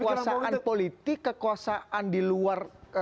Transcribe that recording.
kekuasaan politik kekuasaan di luar